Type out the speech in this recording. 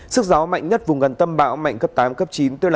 sức gió mạnh nhất vùng gần tâm bão mạnh cấp tám cấp chín